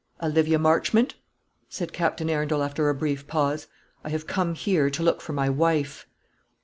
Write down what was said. "Olivia Marchmont," said Captain Arundel, after a brief pause, "I have come here to look for my wife."